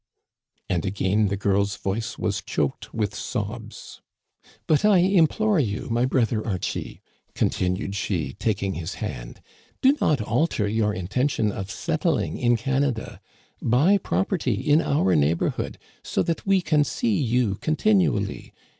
And again the girl's voice was choked with sobs. •* But I implore you, my brother Archie," continued she, taking his hand, " do not alter your intention of settling in Canada. Buy property in our neighborhood, so that we can see you continually.